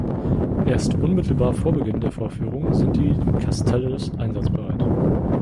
Erst unmittelbar vor Beginn der Vorführung sind die Castellers einsatzbereit.